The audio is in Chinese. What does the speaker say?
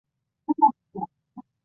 贝里人口变化图示